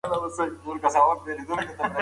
قَالَ إِنِّىٓ أَعْلَمُ مَا لَا تَعْلَمُونَ